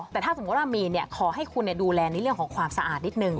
แต่ถ้าสมมุติว่ามีขอให้คุณดูแลในเรื่องของความสะอาดนิดนึง